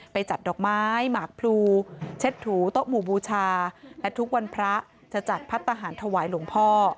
จัดดอกไม้หมากพลูเช็ดถูโต๊ะหมู่บูชาและทุกวันพระจะจัดพัฒนาหารถวายหลวงพ่อ